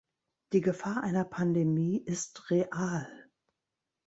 Die Gefahr einer Pandemie ist real.